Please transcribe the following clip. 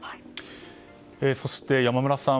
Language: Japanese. そして、山村さん